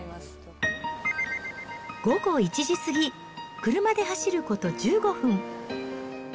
午後１時過ぎ、車で走ること１５分。